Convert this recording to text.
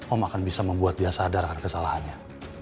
om akan bisa membuat dia sadarkan kesalahannya